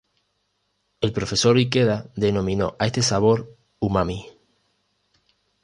El profesor Ikeda denominó a este sabor umami.